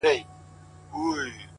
انسان حیوان دی. حیوان انسان دی.